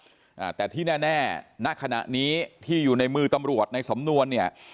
อ่าแต่ที่แน่แน่ณขณะนี้ที่อยู่ในมือตำรวจในสำนวนเนี่ย